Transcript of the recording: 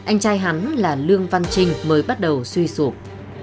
anh trai hắn là lương văn trinh mới bắt đầu suy xuột